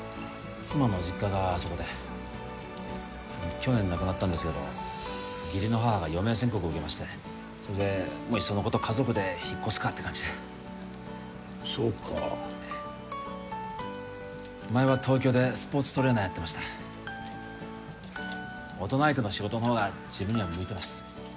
妻の実家があそこで去年亡くなったんですけど義理の母が余命宣告を受けましてそれでもういっそのこと家族で引っ越すかって感じでそうか前は東京でスポーツトレーナーやってました大人相手の仕事のほうが自分には向いてます